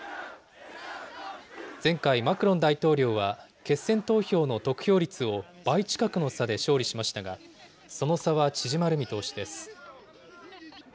前回、マクロン大統領は決選投票の得票率を倍近くの差で勝利しましたが、その差は縮まる見通しです。